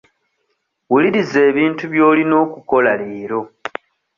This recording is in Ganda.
Wuliriza ebintu by'olina okukola leero.